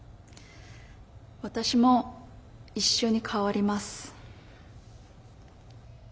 私も一緒に変わります。